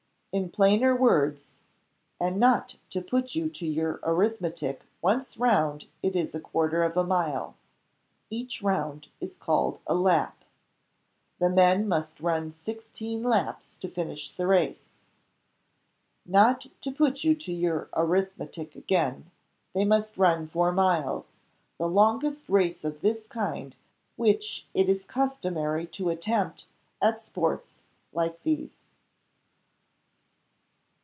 "In plainer words, and not to put you to your arithmetic once round it is a quarter of a mile. Each round is called a 'Lap.' The men must run sixteen Laps to finish the race. Not to put you to your arithmetic again, they must run four miles the longest race of this kind which it is customary to attempt at Sports like these."